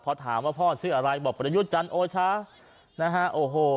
พอถามว่าพ่อชื่ออะไรบอกประยุทธ์จันทร์โอชานะฮะโอ้โห